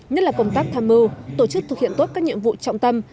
nhất là công tác tham mưu tổ chức thực hiện tốt các nhiệm vụ trọng tâm